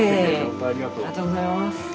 ありがとうございます。